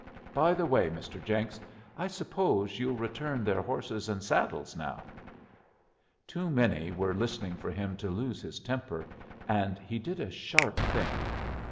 By the way, Mr. Jenks, I suppose you'll return their horses and saddles now?" Too many were listening for him to lose his temper, and he did a sharp thing.